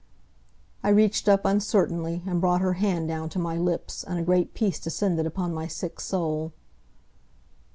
I reached up uncertainly, and brought her hand down to my lips and a great peace descended upon my sick soul.